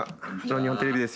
日本テレビです